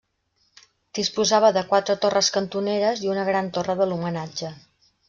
Disposava de quatre torres cantoneres i una gran torre de l'homenatge.